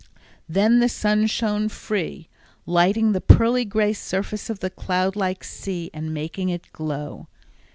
Then the sun shone free, lighting the pearly gray surface of the cloud like sea and making it glow.